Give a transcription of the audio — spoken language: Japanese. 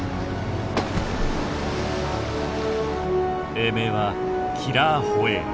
英名はキラーホエール。